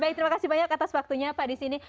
baik terima kasih banyak atas waktunya pak di sini